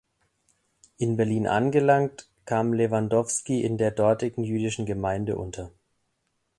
In Berlin angelangt, kam Lewandowski in der dortigen jüdischen Gemeinde unter.